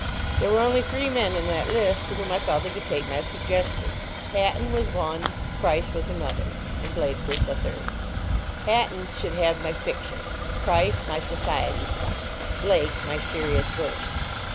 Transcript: There were only three men in that list to whom I felt I could take my suggestion. Hatton was one, Price was another, and Blake was the third. Hatton should have my fiction, Price my Society stuff, Blake my serious verse.